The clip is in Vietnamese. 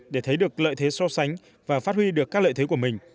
để thấy được lợi thế so sánh và phát huy được các lợi thế của mình